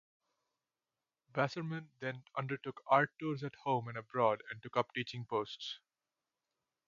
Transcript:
Bassermann then undertook art tours at home and abroad and took up teaching posts.